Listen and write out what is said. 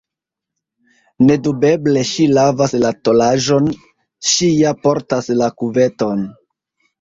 Nedubeble ŝi lavas la tolaĵon, ŝi ja portas la kuveton.